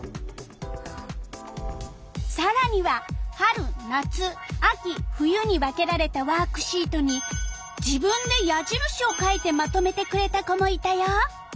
さらには春夏秋冬に分けられたワークシートに自分で矢印を書いてまとめてくれた子もいたよ。